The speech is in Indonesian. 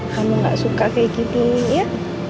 kamu gak suka kayak gini ya